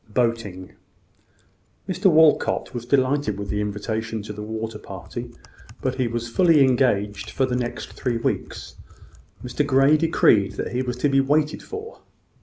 BOATING. Mr Walcot was delighted with the invitation to the water party, but was fully engaged for the next three weeks. Mr Grey decreed that he was to be waited for.